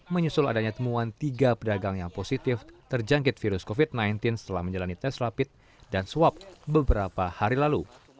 menyusul adanya temuan tiga pedagang yang positif terjangkit virus covid sembilan belas setelah menjalani tes rapid dan swab beberapa hari lalu